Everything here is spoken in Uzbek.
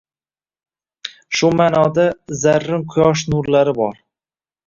Shu maʼnoda, zarrin quyosh nurlari bor